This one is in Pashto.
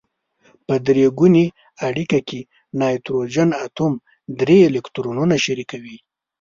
په درې ګونې اړیکه کې نایتروجن اتوم درې الکترونونه شریکوي.